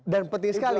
dan penting sekali ya